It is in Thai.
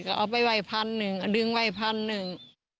ก็เอาไปไว้พันหนึ่งเอาดึงไว้พันหนึ่ง